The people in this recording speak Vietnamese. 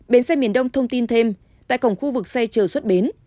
bến xe miền đông thông tin thêm tại cổng khu vực xe chờ xuất bến